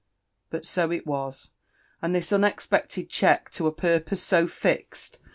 But so it was; and this unexpected cheelc lo a purpose so fixed.